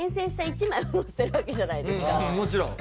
もちろん。